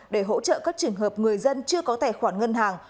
để hỗ trợ các trường hợp người dân chưa có tài khoản ngân hàng